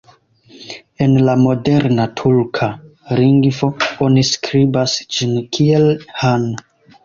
En la moderna turka lingvo oni skribas ĝin kiel "han".